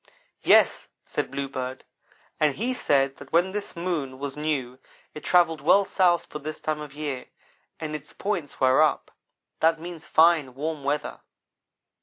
"Yes," said Bluebird, "and he said that when this moon was new it travelled well south for this time of year and its points were up. That means fine, warm weather."